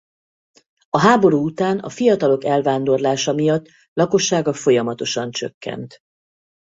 A háború után a fiatalok elvándorlása miatt lakossága folyamatosan csökkent.